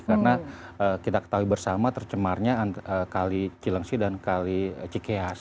karena kita ketahui bersama tercemarnya kali cilengsi dan kali cikeas